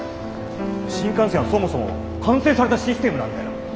新幹線はそもそも完成されたシステムなんだよ。